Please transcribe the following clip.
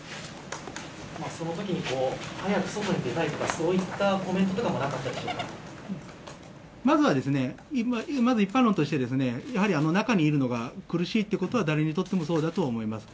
そのときに早く外に出たいとか、そういったコメントとかもなまずはまず一般論として、やはり中にいるのが苦しいっていうことは、誰にとってもそうだと思います。